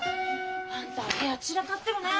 あんた部屋ちらかってるね？